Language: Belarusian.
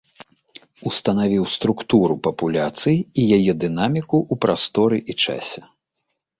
Устанавіў структуру папуляцый і яе дынаміку ў прасторы і часе.